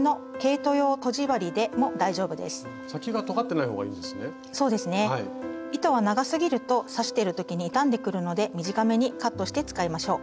糸が長すぎると刺してる時に傷んでくるので短めにカットして使いましょう。